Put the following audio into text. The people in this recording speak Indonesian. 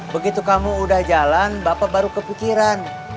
begitu kamu udah jalan bapak baru kepikiran